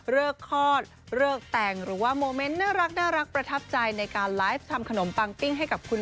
คลอดเลิกแต่งหรือว่าโมเมนต์น่ารักประทับใจในการไลฟ์ทำขนมปังปิ้งให้กับคุณ